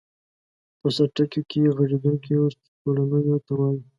په سرټکیو کې غږېدونکیو سورڼیو ته وایو.